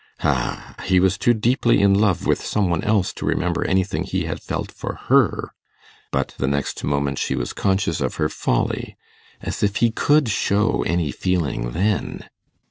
Ah! he was too deeply in love with some one else to remember anything he had felt for her. But the next moment she was conscious of her folly; 'as if he could show any feeling then!